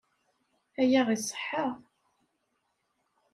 Aya iṣeḥḥa.